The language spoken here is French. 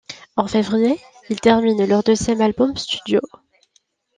En février, ils terminent leur deuxième album studio.